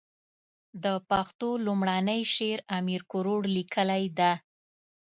د پښتو لومړنی شعر امير کروړ ليکلی ده.